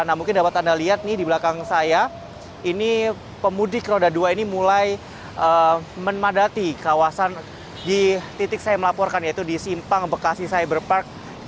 nah mungkin dapat anda lihat nih di belakang saya ini pemudik roda dua ini mulai memadati kawasan di titik saya melaporkan yaitu di simpang bekasi cyber park